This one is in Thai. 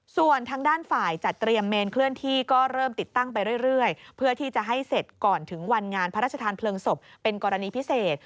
ส่วนทางด้านฝ่ายจัดเตรียมเมนเคลื่อนที่ก็เริ่มติดตั้งไปเรื่อยเพื่อที่จะให้เสร็จก่อนถึงวันงานพระราชทานเพลิงศพเป็นกรณีพิเศษ